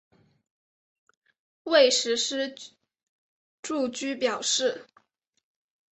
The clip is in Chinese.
未施实住居表示。